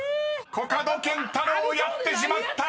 ［コカドケンタロウやってしまった！］